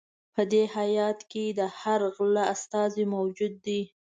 په دې هیات کې د هر غله استازی موجود دی.